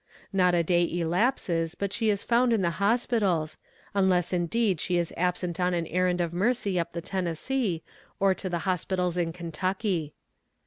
"Not a day elapses but she is found in the hospitals, unless indeed she is absent on an errand of mercy up the Tennessee, or to the hospitals in Kentucky.